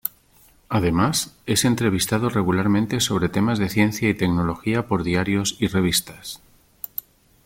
Además, es entrevistado regularmente sobre temas de ciencia y tecnología por diarios y revistas.